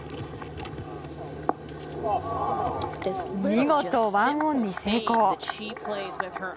見事１オンに成功。